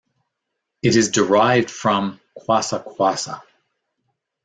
It is derived from kwassa kwassa.